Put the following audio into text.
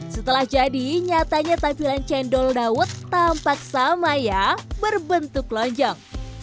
setelah jadi nyatanya tampilan cendol dawet tampak sama ya berbentuk lonjong